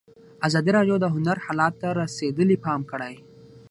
ازادي راډیو د هنر حالت ته رسېدلي پام کړی.